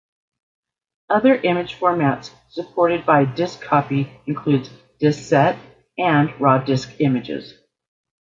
Other image formats supported by Disk Copy include DiskSet and raw disk images.